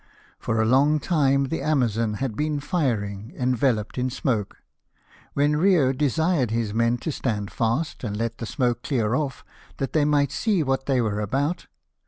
For a long time the Amfiazon had been firing, enveloped in smoke, when Riou desired his men to stand fast and let the smoke clear off, that they might see what they were about.